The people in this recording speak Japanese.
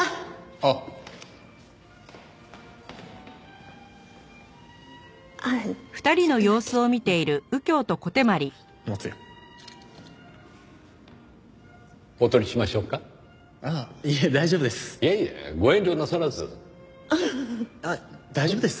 あっ大丈夫です。